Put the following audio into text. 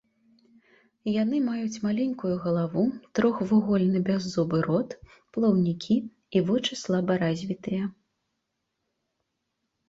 Яны маюць маленькую галаву, трохвугольны бяззубы рот, плаўнікі і вочы слаба развітыя.